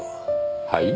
はい？